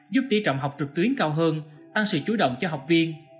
giúp tỷ trọng học trực tuyến cao hơn tăng sự chú động cho học viên